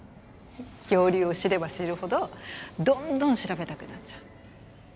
恐竜を知れば知るほどどんどん調べたくなっちゃう。